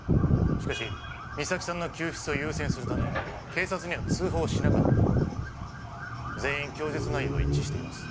しかし実咲さんの救出を優先するため警察には通報しなかったと全員供述内容は一致しています